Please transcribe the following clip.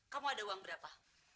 kamu ada uang berapa